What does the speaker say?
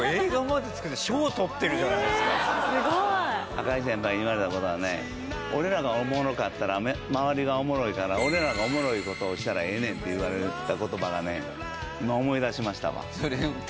赤井先輩に言われた事はね俺らがおもろかったら周りがおもろいから俺らがおもろい事をしたらええねんって言われた言葉がね今思い出しましたわ。